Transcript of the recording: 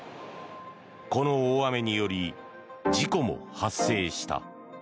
この大雨により事故も発生した。